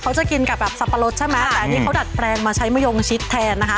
จะกินกับแบบสับปะรดใช่ไหมแต่อันนี้เขาดัดแปลงมาใช้มะยงชิดแทนนะคะ